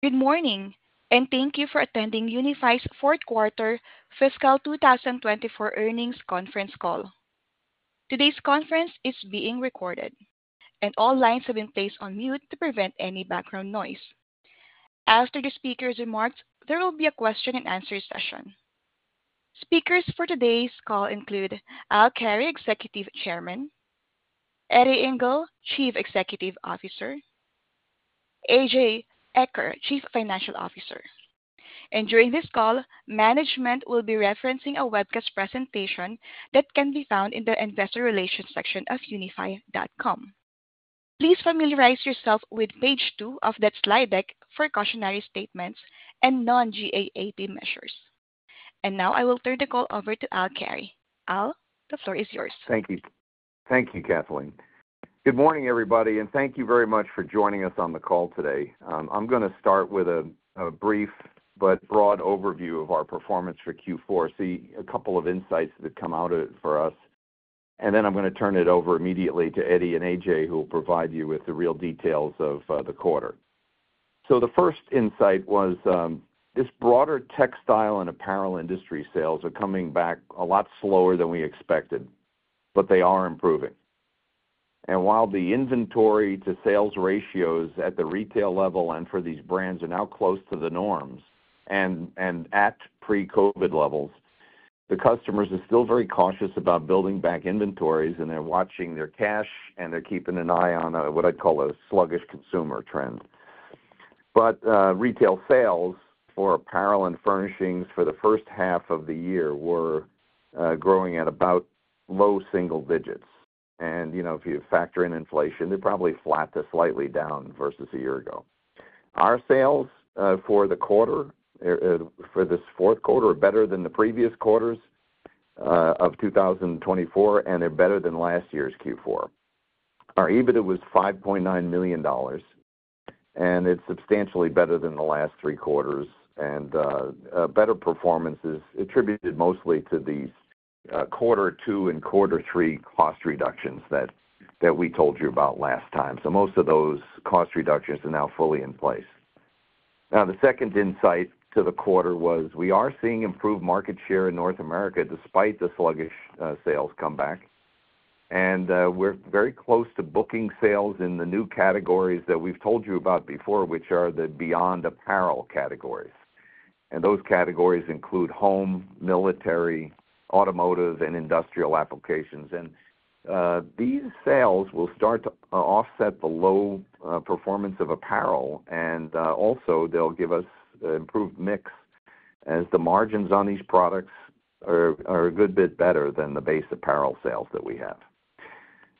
Good morning, and thank you for attending Unifi's Fourth Quarter Fiscal 2024 Earnings Conference Call. Today's conference is being recorded, and all lines have been placed on mute to prevent any background noise. After the speaker's remarks, there will be a Q&A session. Speakers for today's call include Al Carey, Executive Chairman, Eddie Ingle, Chief Executive Officer, A.J. Eaker, Chief Financial Officer. And during this call, management will be referencing a webcast presentation that can be found in the investor relations section of unifi.com. Please familiarize yourself with page two of that slide deck for cautionary statements and non-GAAP measures. And now I will turn the call over to Al Carey. Al, the floor is yours. Thank you. Thank you, Kathleen. Good morning, everybody, and thank you very much for joining us on the call today. I'm gonna start with a brief but broad overview of our performance for Q4. Key a couple of insights that come out of it for us, and then I'm gonna turn it over immediately to Eddie and AJ, who will provide you with the real details of the quarter. So the first insight was this broader textile and apparel industry sales are coming back a lot slower than we expected, but they are improving. And while the inventory to sales ratios at the retail level and for these brands are now close to the norms and at pre-COVID levels, the customers are still very cautious about building back inventories, and they're watching their cash, and they're keeping an eye on what I'd call a sluggish consumer trend. But retail sales for apparel and furnishings for the first half of the year were growing at about low single digits. And, you know, if you factor in inflation, they're probably flat to slightly down versus a year ago. Our sales for the quarter for this fourth quarter are better than the previous quarters of 2024, and they're better than last year's Q4. Our EBITDA was $5.9 million, and it's substantially better than the last three quarters and a better performance is attributed mostly to the quarter two and quarter three cost reductions that we told you about last time. So most of those cost reductions are now fully in place. Now, the second insight to the quarter was we are seeing improved market share in North America despite the sluggish sales comeback. And we're very close to booking sales in the new categories that we've told you about before, which are the beyond apparel categories. And those categories include home, military, automotive, and industrial applications. These sales will start to offset the low performance of apparel, and also they'll give us improved mix as the margins on these products are a good bit better than the base apparel sales that we have.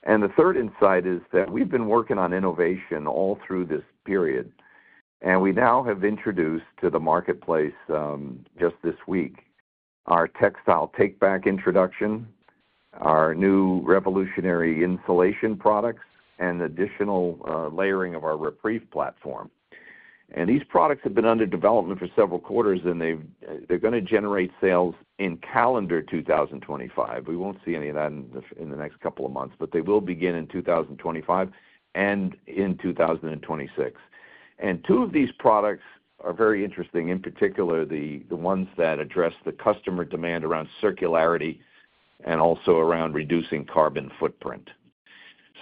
The third insight is that we've been working on innovation all through this period, and we now have introduced to the marketplace just this week our Textile Takeback introduction, our new revolutionary insulation products, and additional layering of our REPREVE platform. These products have been under development for several quarters, and they're gonna generate sales in calendar 2025. We won't see any of that in the next couple of months, but they will begin in 2025 and in 2026. And two of these products are very interesting, in particular, the ones that address the customer demand around circularity and also around reducing carbon footprint.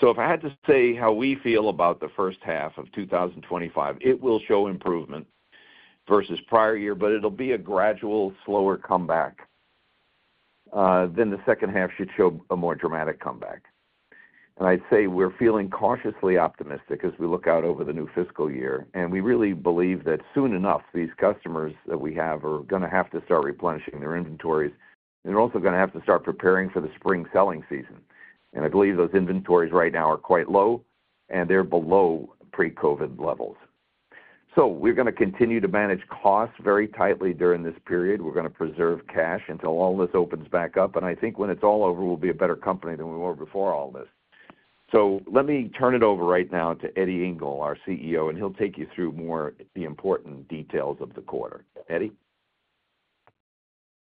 So if I had to say how we feel about the first half of 2025, it will show improvement versus prior year, but it'll be a gradual, slower comeback, then the second half should show a more dramatic comeback. And I'd say we're feeling cautiously optimistic as we look out over the new fiscal year, and we really believe that soon enough, these customers that we have are gonna have to start replenishing their inventories. They're also gonna have to start preparing for the spring selling season. And I believe those inventories right now are quite low, and they're below pre-COVID levels. So we're gonna continue to manage costs very tightly during this period. We're gonna preserve cash until all this opens back up, and I think when it's all over, we'll be a better company than we were before all this. So let me turn it over right now to Eddie Ingle, our CEO, and he'll take you through more of the important details of the quarter. Eddie?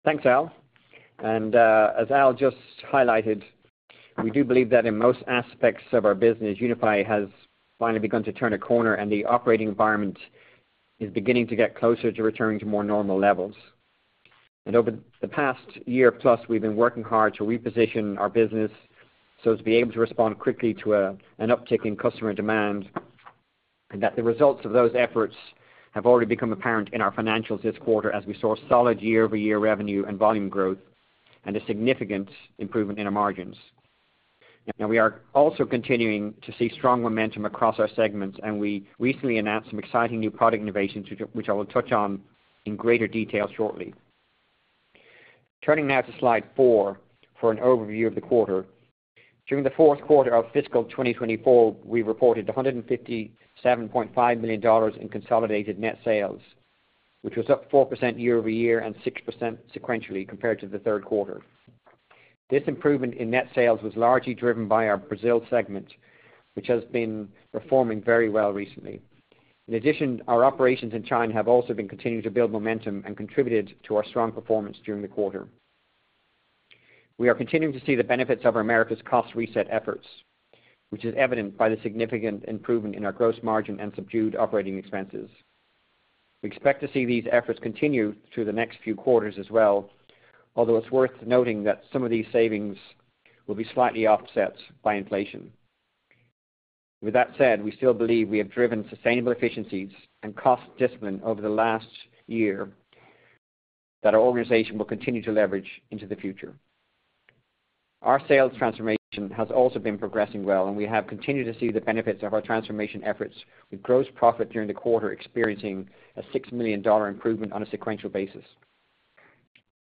Thanks, Al. And, as Al just highlighted, we do believe that in most aspects of our business, Unifi has finally begun to turn a corner, and the operating environment is beginning to get closer to returning to more normal levels. And over the past year plus, we've been working hard to reposition our business so as to be able to respond quickly to, an uptick in customer demand, and that the results of those efforts have already become apparent in our financials this quarter as we saw solid year-over-year revenue and volume growth and a significant improvement in our margins. Now, we are also continuing to see strong momentum across our segments, and we recently announced some exciting new product innovations, which I will touch on in greater detail shortly. Turning now to slide four for an overview of the quarter. During the fourth quarter of fiscal 2024, we reported $157.5 million in consolidated net sales, which was up 4% year over year and 6% sequentially compared to the third quarter. This improvement in net sales was largely driven by our Brazil segment, which has been performing very well recently. In addition, our operations in China have also been continuing to build momentum and contributed to our strong performance during the quarter. We are continuing to see the benefits of our Americas cost reset efforts, which is evident by the significant improvement in our gross margin and subdued operating expenses. We expect to see these efforts continue through the next few quarters as well, although it's worth noting that some of these savings will be slightly offset by inflation. With that said, we still believe we have driven sustainable efficiencies and cost discipline over the last year, that our organization will continue to leverage into the future. Our sales transformation has also been progressing well, and we have continued to see the benefits of our transformation efforts, with gross profit during the quarter experiencing a $6 million improvement on a sequential basis.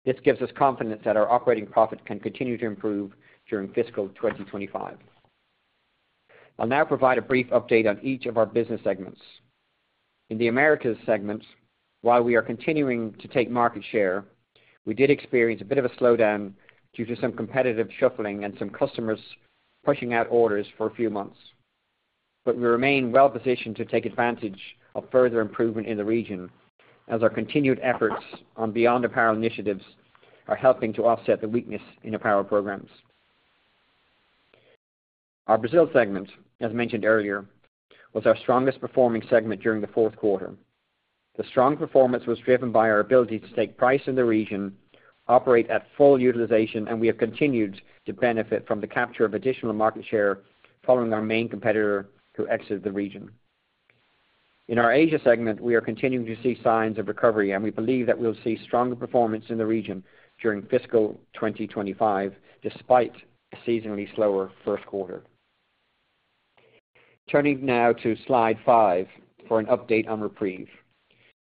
This gives us confidence that our operating profit can continue to improve during fiscal 2025. I'll now provide a brief update on each of our business segments. In the Americas segment, while we are continuing to take market share, we did experience a bit of a slowdown due to some competitive shuffling and some customers pushing out orders for a few months. But we remain well positioned to take advantage of further improvement in the region, as our continued efforts on beyond apparel initiatives are helping to offset the weakness in apparel programs. Our Brazil segment, as mentioned earlier, was our strongest performing segment during the fourth quarter. The strong performance was driven by our ability to take price in the region, operate at full utilization, and we have continued to benefit from the capture of additional market share following our main competitor who exited the region. In our Asia segment, we are continuing to see signs of recovery, and we believe that we'll see stronger performance in the region during fiscal 2025, despite a seasonally slower first quarter. Turning now to slide five for an update on REPREVE.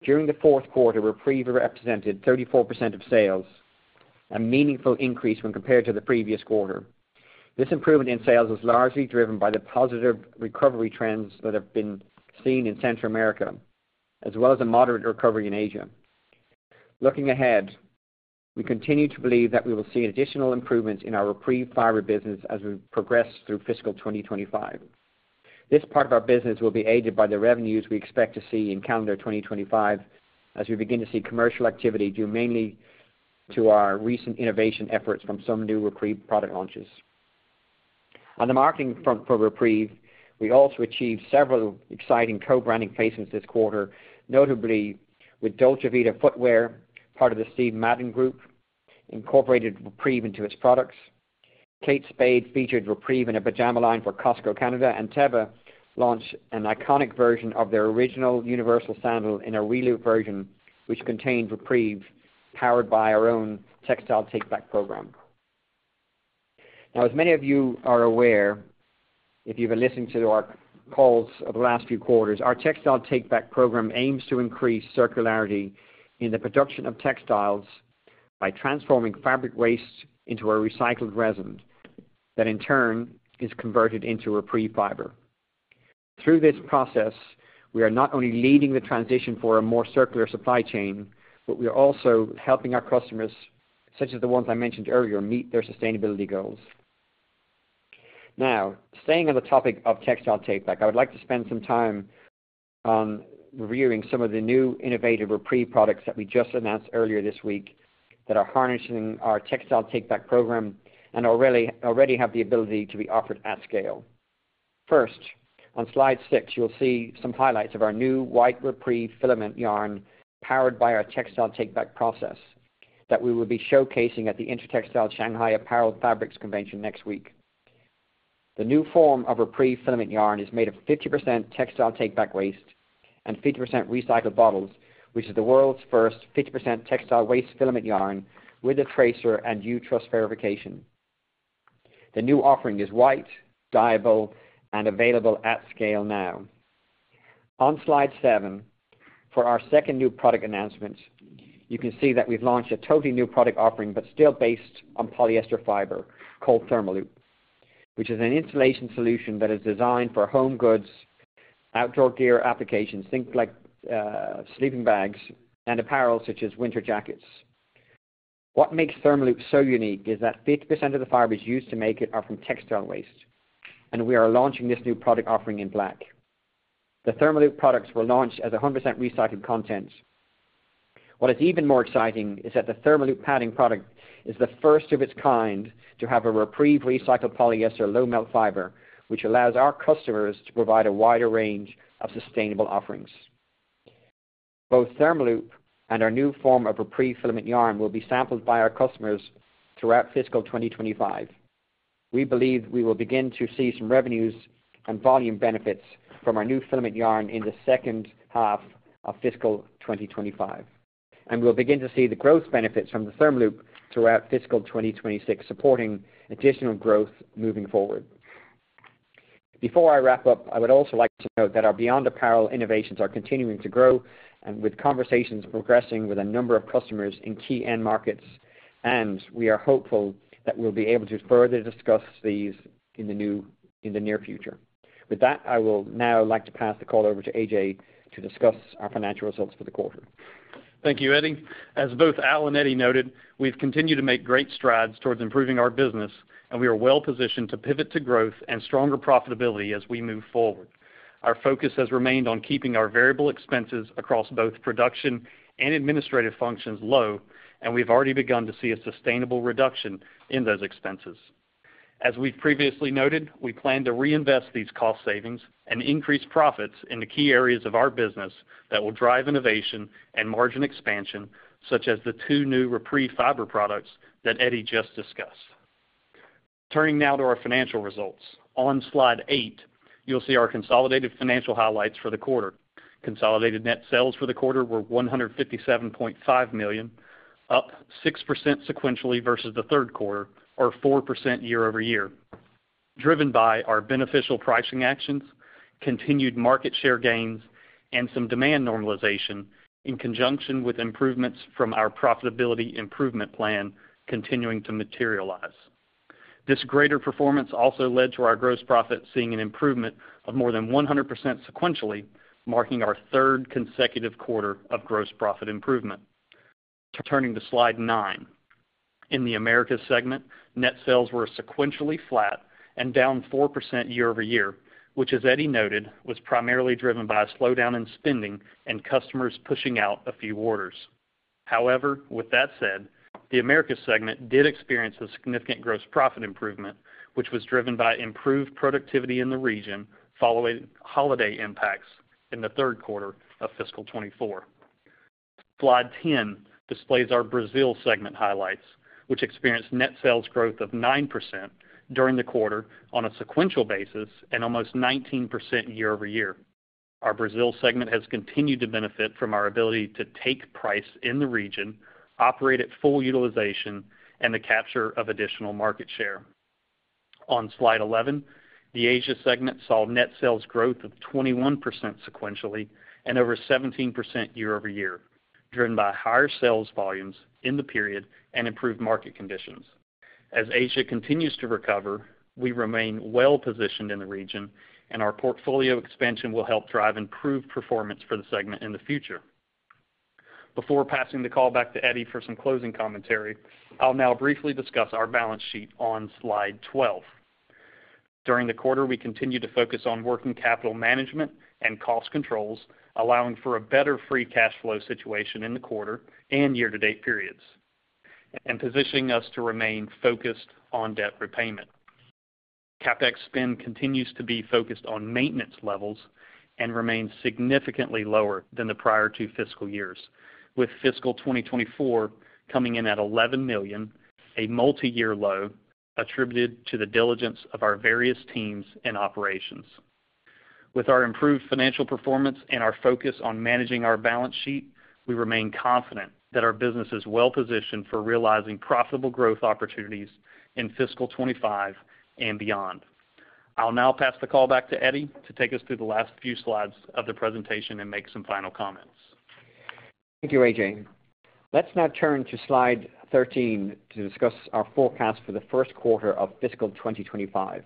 During the fourth quarter, REPREVE represented 34% of sales, a meaningful increase when compared to the previous quarter. This improvement in sales was largely driven by the positive recovery trends that have been seen in Central America, as well as a moderate recovery in Asia. Looking ahead, we continue to believe that we will see additional improvements in our REPREVE fiber business as we progress through fiscal 2025. This part of our business will be aided by the revenues we expect to see in calendar 2025, as we begin to see commercial activity, due mainly to our recent innovation efforts from some new REPREVE product launches. On the marketing front for REPREVE, we also achieved several exciting co-branding placements this quarter, notably with Dolce Vita Footwear, part of the Steve Madden Group, incorporated REPREVE into its products. Kate Spade featured REPREVE in a pajama line for Costco Canada, and Teva launched an iconic version of their original universal sandal in a ReLoop version, which contained REPREVE, powered by our own Textile Takeback program. Now, as many of you are aware, if you've been listening to our calls over the last few quarters, our Textile Takeback program aims to increase circularity in the production of textiles by transforming fabric waste into a recycled resin that, in turn, is converted into REPREVE fiber. Through this process, we are not only leading the transition for a more circular supply chain, but we are also helping our customers, such as the ones I mentioned earlier, meet their sustainability goals. Now, staying on the topic of Textile Takeback, I would like to spend some time on reviewing some of the new innovative REPREVE products that we just announced earlier this week that are harnessing our Textile Takeback program and already have the ability to be offered at scale. First, on Slide six, you'll see some highlights of our new white REPREVE filament yarn, powered by our Textile Takeback process, that we will be showcasing at the Intertextile Shanghai Apparel Fabrics Convention next week. The new form of REPREVE filament yarn is made of 50% Textile Takeback waste and 50% recycled bottles, which is the world's first 50% textile waste filament yarn with a Tracer and U-Trust verification. The new offering is white, dyeable, and available at scale now. On slide seven, for our second new product announcement, you can see that we've launched a totally new product offering, but still based on polyester fiber called ThermaLoop, which is an insulation solution that is designed for home goods, outdoor gear applications, things like sleeping bags and apparel, such as winter jackets. What makes ThermaLoop so unique is that 50% of the fibers used to make it are from textile waste, and we are launching this new product offering in black. The ThermaLoop products were launched as 100% recycled content. What is even more exciting is that the ThermaLoop padding product is the first of its kind to have a REPREVE recycled polyester low melt fiber, which allows our customers to provide a wider range of sustainable offerings. Both ThermaLoop and our new form of REPREVE filament yarn will be sampled by our customers throughout fiscal 2025. We believe we will begin to see some revenues and volume benefits from our new filament yarn in the second half of fiscal 2025, and we'll begin to see the growth benefits from the ThermaLoop throughout fiscal 2026, supporting additional growth moving forward. Before I wrap up, I would also like to note that our beyond apparel innovations are continuing to grow, with conversations progressing with a number of customers in key end markets, and we are hopeful that we'll be able to further discuss these in the near future. With that, I will now like to pass the call over to AJ to discuss our financial results for the quarter. Thank you, Eddie. As both Al and Eddie noted, we've continued to make great strides towards improving our business, and we are well positioned to pivot to growth and stronger profitability as we move forward. Our focus has remained on keeping our variable expenses across both production and administrative functions low, and we've already begun to see a sustainable reduction in those expenses. As we've previously noted, we plan to reinvest these cost savings and increase profits in the key areas of our business that will drive innovation and margin expansion, such as the two new REPREVE fiber products that Eddie just discussed. Turning now to our financial results. On slide eight, you'll see our consolidated financial highlights for the quarter. Consolidated net sales for the quarter were $157.5 million, up 6% sequentially versus the third quarter, or 4% year-over-year, driven by our beneficial pricing actions, continued market share gains, and some demand normalization, in conjunction with improvements from our profitability improvement plan continuing to materialize. This greater performance also led to our gross profit seeing an improvement of more than 100% sequentially, marking our third consecutive quarter of gross profit improvement. Turning to slide 9. In the Americas segment, net sales were sequentially flat and down 4% year-over-year, which, as Eddie noted, was primarily driven by a slowdown in spending and customers pushing out a few orders. However, with that said, the Americas segment did experience a significant gross profit improvement, which was driven by improved productivity in the region following holiday impacts in the third quarter of fiscal 2024. Slide 10 displays our Brazil segment highlights, which experienced net sales growth of 9% during the quarter on a sequential basis and almost 19% year-over-year. Our Brazil segment has continued to benefit from our ability to take price in the region, operate at full utilization, and the capture of additional market share. On slide 11, the Asia segment saw net sales growth of 21% sequentially and over 17% year over year, driven by higher sales volumes in the period and improved market conditions. As Asia continues to recover, we remain well-positioned in the region, and our portfolio expansion will help drive improved performance for the segment in the future. Before passing the call back to Eddie for some closing commentary, I'll now briefly discuss our balance sheet on slide 12. During the quarter, we continued to focus on working capital management and cost controls, allowing for a better free cash flow situation in the quarter and year-to-date periods, and positioning us to remain focused on debt repayment. CapEx spend continues to be focused on maintenance levels and remains significantly lower than the prior two fiscal years, with fiscal 2024 coming in at $11 million, a multiyear low, attributed to the diligence of our various teams and operations. With our improved financial performance and our focus on managing our balance sheet, we remain confident that our business is well positioned for realizing profitable growth opportunities in fiscal 2025 and beyond. I'll now pass the call back to Eddie to take us through the last few slides of the presentation and make some final comments. Thank you, AJ. Let's now turn to Slide 13 to discuss our forecast for the first quarter of fiscal 2025.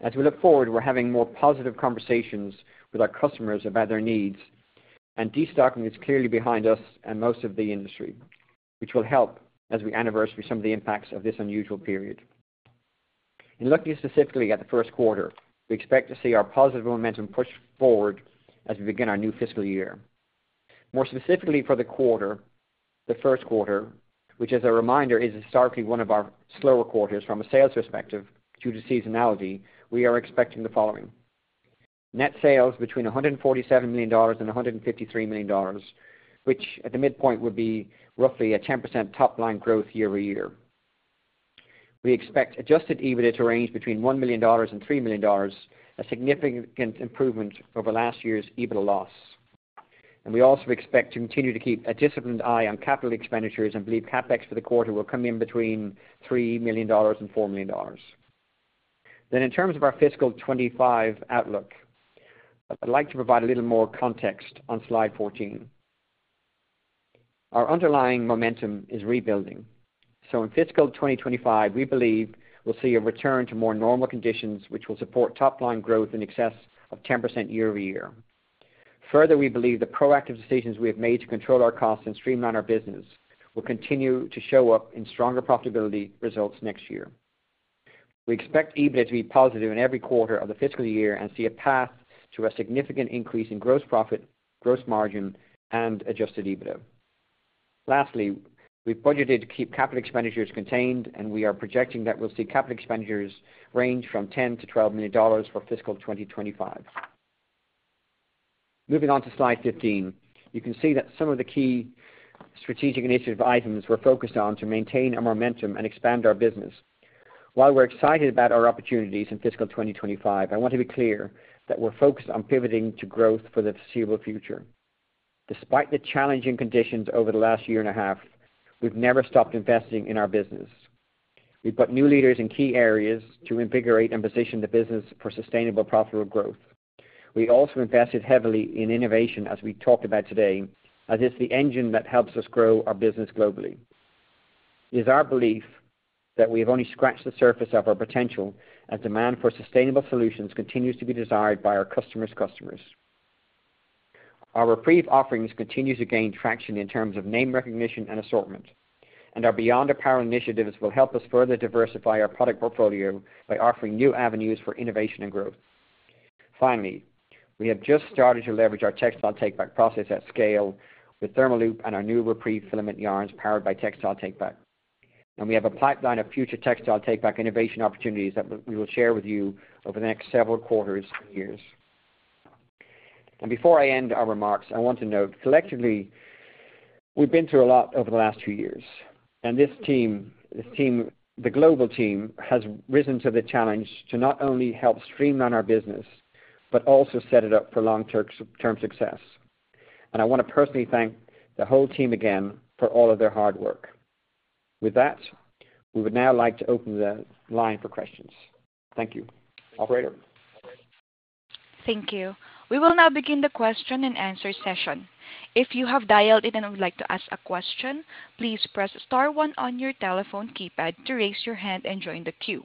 As we look forward, we're having more positive conversations with our customers about their needs, and destocking is clearly behind us and most of the industry, which will help as we anniversary some of the impacts of this unusual period. In looking specifically at the first quarter, we expect to see our positive momentum push forward as we begin our new fiscal year. More specifically, for the quarter, the first quarter, which, as a reminder, is historically one of our slower quarters from a sales perspective due to seasonality, we are expecting the following: Net sales between $147 million and $153 million, which at the midpoint, would be roughly 10% top-line growth year-over-year. We expect Adjusted EBITDA to range between $1 million and $3 million, a significant improvement over last year's EBITDA loss. We also expect to continue to keep a disciplined eye on capital expenditures and believe CapEx for the quarter will come in between $3 million and $4 million. In terms of our fiscal 2025 outlook, I'd like to provide a little more context on slide 14. Our underlying momentum is rebuilding, so in fiscal 2025, we believe we'll see a return to more normal conditions, which will support top-line growth in excess of 10% year-over-year. Further, we believe the proactive decisions we have made to control our costs and streamline our business will continue to show up in stronger profitability results next year. We expect EBITDA to be positive in every quarter of the fiscal year and see a path to a significant increase in gross profit, gross margin, and adjusted EBITDA. Lastly, we've budgeted to keep capital expenditures contained, and we are projecting that we'll see capital expenditures range from $10 to $12 million for fiscal 2025. Moving on to slide 15, you can see that some of the key strategic initiative items we're focused on to maintain our momentum and expand our business. While we're excited about our opportunities in fiscal 2025, I want to be clear that we're focused on pivoting to growth for the foreseeable future. Despite the challenging conditions over the last year and a half, we've never stopped investing in our business. We've put new leaders in key areas to invigorate and position the business for sustainable, profitable growth. We also invested heavily in innovation, as we talked about today, as it's the engine that helps us grow our business globally. It is our belief that we have only scratched the surface of our potential, as demand for sustainable solutions continues to be desired by our customers' customers. Our REPREVE offerings continue to gain traction in terms of name recognition and assortment, and our Beyond Apparel initiatives will help us further diversify our product portfolio by offering new avenues for innovation and growth. Finally, we have just started to leverage our Textile Takeback process at scale with ThermaLoop and our new REPREVE filament yarns, powered by Textile Takeback. And we have a pipeline of future Textile Takeback innovation opportunities that we will share with you over the next several quarters and years. Before I end our remarks, I want to note, collectively, we've been through a lot over the last two years, and this team, the global team, has risen to the challenge to not only help streamline our business, but also set it up for long term success. I want to personally thank the whole team again for all of their hard work. With that, we would now like to open the line for questions. Thank you. Operator? Thank you. We will now begin the Q&A session. If you have dialed in and would like to ask a question, please press star one on your telephone keypad to raise your hand and join the queue.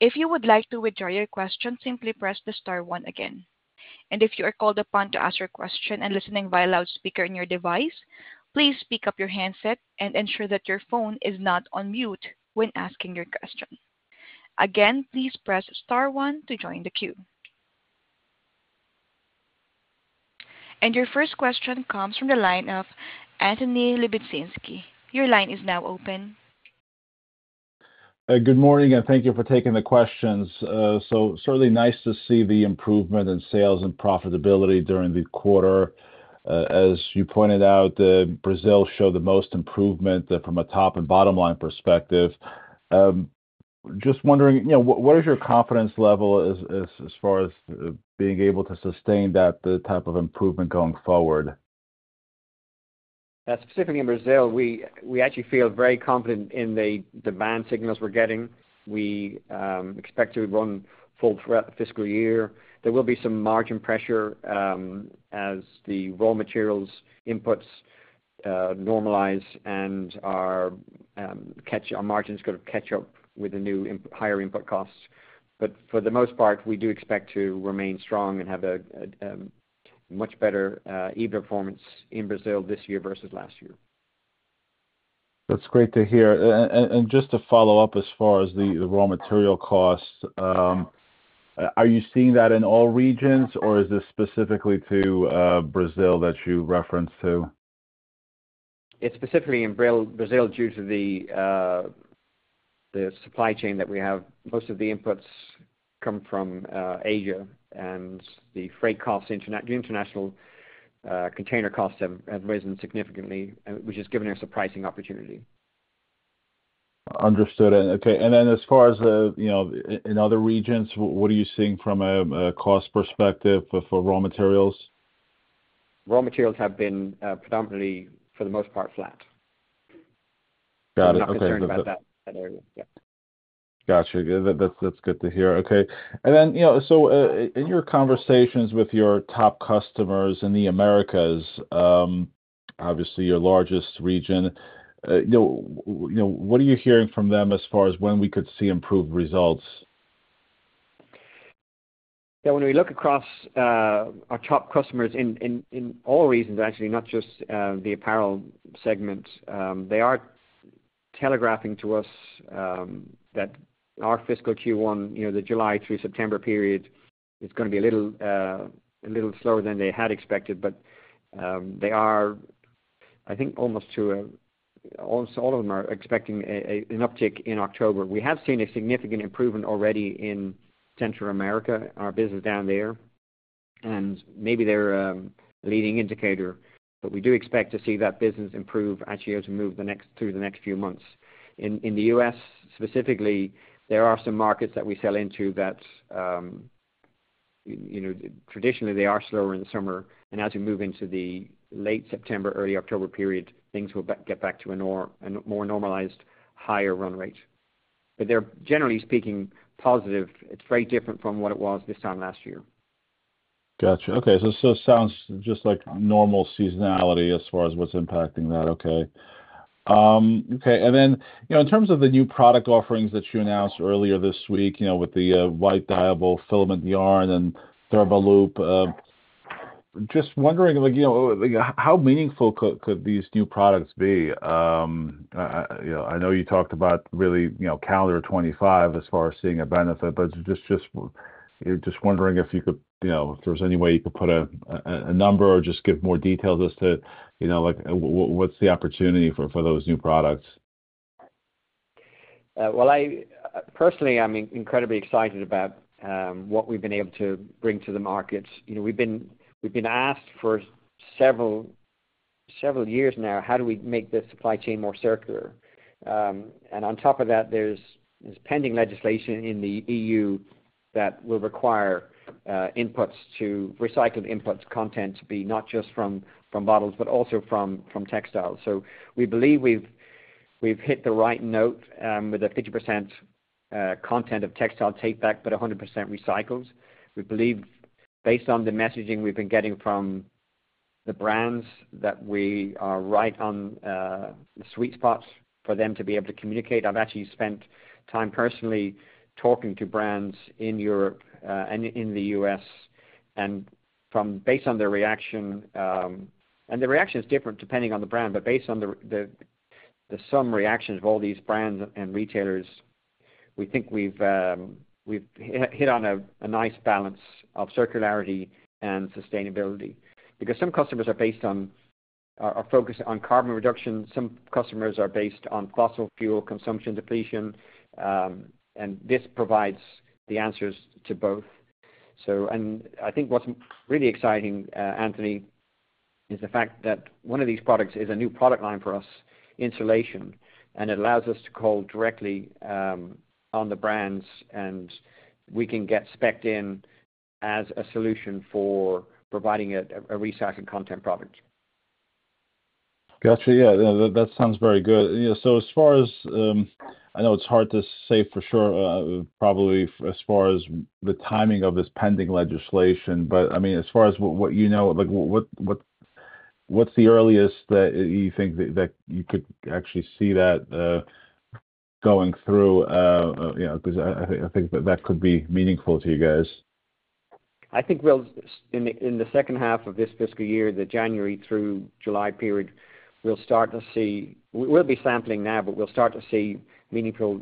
If you would like to withdraw your question, simply press the star one again, and if you are called upon to ask your question and listening via loudspeaker in your device, please pick up your handset and ensure that your phone is not on mute when asking your question. Again, please press star one to join the queue, and your first question comes from the line of Anthony Lebiedzinski. Your line is now open. Good morning, and thank you for taking the questions. So certainly nice to see the improvement in sales and profitability during the quarter. As you pointed out, the Brazil showed the most improvement from a top and bottom line perspective. Just wondering, you know, what is your confidence level as far as being able to sustain that, the type of improvement going forward? Specifically in Brazil, we actually feel very confident in the demand signals we're getting. We expect to run full throughout the fiscal year. There will be some margin pressure as the raw materials inputs normalize and our margins kind of catch up with the new, higher input costs. But for the most part, we do expect to remain strong and have a much better performance in Brazil this year versus last year. That's great to hear. And just to follow up, as far as the raw material costs, are you seeing that in all regions, or is this specific to Brazil that you referenced? It's specifically in Brazil due to the supply chain that we have. Most of the inputs come from Asia, and the freight costs, the international container costs have risen significantly, which has given us a pricing opportunity. Understood. Okay. And then as far as the, you know, in other regions, what are you seeing from a cost perspective for raw materials? Raw materials have been, predominantly, for the most part, flat. Got it. Not concerned about that area. Yeah. Got you. That's good to hear. Okay. And then, you know, so, in your conversations with your top customers in the Americas, obviously your largest region, you know, what are you hearing from them as far as when we could see improved results? Yeah, when we look across our top customers in all regions, actually, not just the apparel segment, they are telegraphing to us that our fiscal Q1, you know, the July through September period, is gonna be a little slower than they had expected. But they are, I think, almost all of them are expecting an uptick in October. We have seen a significant improvement already in Central America, our business down there, and maybe they're a leading indicator. But we do expect to see that business improve actually as we move through the next few months. In the U.S. specifically, there are some markets that we sell into that, you know, traditionally, they are slower in the summer, and as we move into the late September, early October period, things will get back to a more normalized, higher run rate. But they're, generally speaking, positive. It's very different from what it was this time last year. Gotcha. Okay, so sounds just like normal seasonality as far as what's impacting that. Okay. Okay, and then, you know, in terms of the new product offerings that you announced earlier this week, you know, with the white dyeable filament yarn and ThermaLoop, just wondering, like, you know, like how meaningful could these new products be? You know, I know you talked about really, you know, calendar 2025 as far as seeing a benefit, but just wondering if you could, you know, if there's any way you could put a number or just give more details as to, you know, like, what's the opportunity for those new products? Personally, I'm incredibly excited about what we've been able to bring to the market. You know, we've been asked for several years now, how do we make the supply chain more circular? On top of that, there's pending legislation in the EU that will require recycled inputs content to be not just from bottles, but also from textiles. We believe we've hit the right note with 50% content of Textile Takeback, but 100% recycled. We believe, based on the messaging we've been getting from the brands, that we are right on the sweet spots for them to be able to communicate. I've actually spent time personally talking to brands in Europe and in the U.S., and based on their reaction... And the reaction is different depending on the brand, but based on the sum reaction of all these brands and retailers, we think we've hit on a nice balance of circularity and sustainability. Because some customers are based on are focused on carbon reduction. Some customers are based on fossil fuel consumption depletion, and this provides the answers to both. And I think what's really exciting, Anthony, is the fact that one of these products is a new product line for us, insulation, and it allows us to call directly on the brands, and we can get spec'd in as a solution for providing a recycling content product. Gotcha. Yeah, that sounds very good. Yeah, so as far as I know it's hard to say for sure, probably as far as the timing of this pending legislation, but I mean, as far as what you know, like, what's the earliest that you think that you could actually see that going through, yeah, because I think that could be meaningful to you guys? I think in the second half of this fiscal year, the January through July period, we'll start to see. We'll be sampling now, but we'll start to see meaningful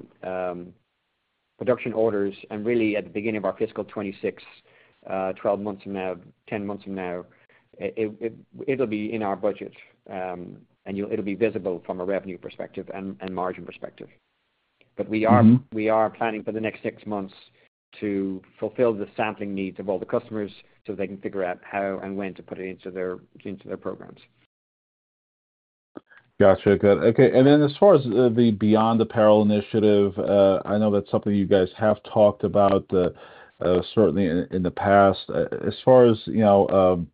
production orders and really at the beginning of our fiscal 2026, 12 months from now, ten months from now, it'll be in our budget, and it'll be visible from a revenue perspective and margin perspective. Mm-hmm. But we are planning for the next six months to fulfill the sampling needs of all the customers, so they can figure out how and when to put it into their programs. Gotcha. Good. Okay, and then, as far as the Beyond Apparel initiative, I know that's something you guys have talked about, certainly in the past. As far as, you know,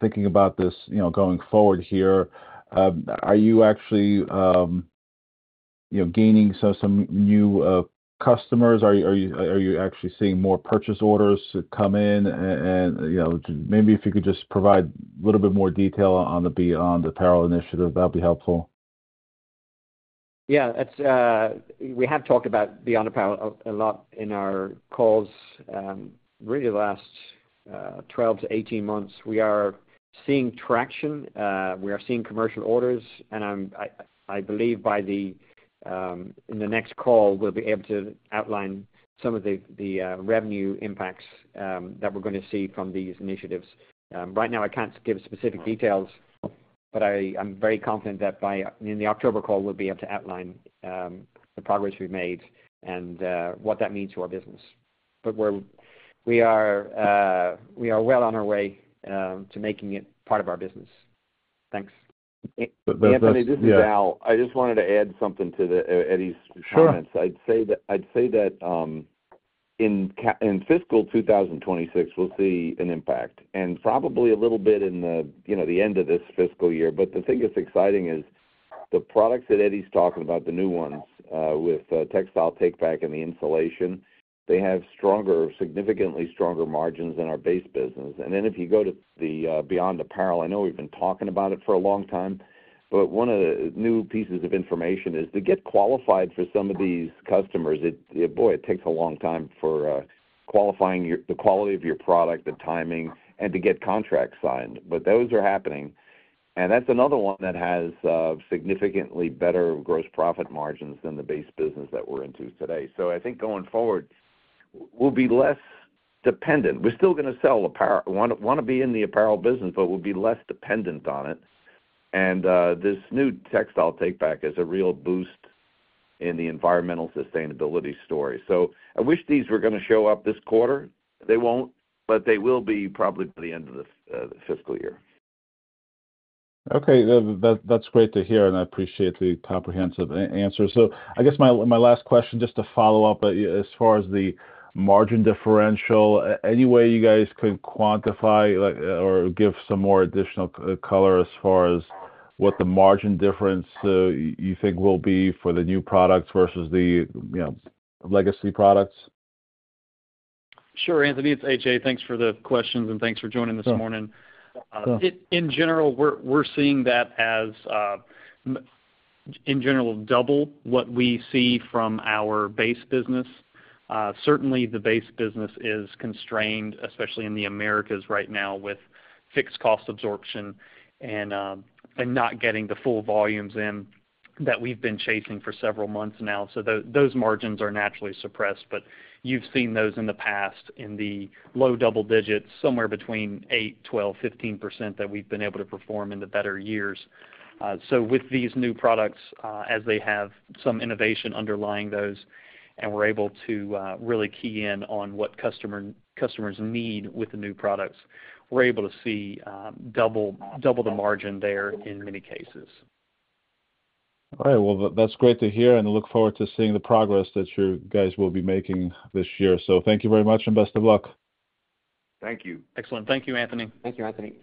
thinking about this, you know, going forward here, are you actually, you know, gaining some new customers? Are you actually seeing more purchase orders come in? And, you know, maybe if you could just provide a little bit more detail on the Beyond Apparel initiative, that'd be helpful. Yeah, it's we have talked about Beyond Apparel a lot in our calls, really the last 12-18 months. We are seeing traction, we are seeing commercial orders, and I believe by, in the next call, we'll be able to outline some of the revenue impacts that we're gonna see from these initiatives. Right now, I can't give specific details, but I'm very confident that by, in the October call, we'll be able to outline the progress we've made and what that means to our business. But we are well on our way to making it part of our business. Thanks. But that's- Anthony, this is Al. Yeah. I just wanted to add something to Eddie's comments. Sure. In fiscal 2026, we'll see an impact, and probably a little bit in you know the end of this fiscal year. But the thing that's exciting is the products that Eddie's talking about, the new ones, with textile take back and the insulation, they have significantly stronger margins than our base business. And then, if you go to the Beyond Apparel, I know we've been talking about it for a long time, but one of the new pieces of information is, to get qualified for some of these customers, it boy it takes a long time for qualifying the quality of your product, the timing, and to get contracts signed. But those are happening, and that's another one that has significantly better gross profit margins than the base business that we're into today. So I think going forward, we'll be less dependent. We're still gonna sell apparel, wanna be in the apparel business, but we'll be less dependent on it. And this new Textile Takeback is a real boost in the environmental sustainability story. So I wish these were gonna show up this quarter. They won't, but they will be probably by the end of this fiscal year. Okay. That's great to hear, and I appreciate the comprehensive answer. So I guess my last question, just to follow up, as far as the margin differential, any way you guys could quantify or give some more additional color as far as what the margin difference you think will be for the new products versus the, you know, legacy products? Sure, Anthony, it's A.J. Thanks for the questions, and thanks for joining this morning. Sure. In general, we're seeing that as in general double what we see from our base business. Certainly the base business is constrained, especially in the Americas right now, with fixed cost absorption and not getting the full volumes in that we've been chasing for several months now, so those margins are naturally suppressed, but you've seen those in the past in the low double digits, somewhere between eight, 12, 15% that we've been able to perform in the better years, so with these new products, as they have some innovation underlying those, and we're able to really key in on what customers need with the new products, we're able to see double the margin there in many cases. All right. Well, that's great to hear, and I look forward to seeing the progress that you guys will be making this year. So thank you very much, and best of luck. Thank you. Excellent. Thank you, Anthony. Thank you, Anthony.